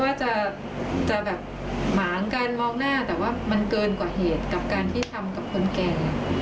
ว่าจะแบบหมางการมองหน้าแต่ว่ามันเกินกว่าเหตุกับการที่ทำกับคนแก่